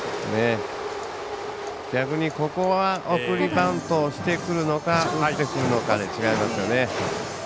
逆にここは送りバントをしてくるのか打ってくるのかで違いますよね。